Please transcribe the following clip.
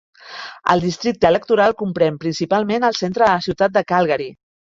El districte electoral comprèn principalment el centre de la ciutat de Calgary.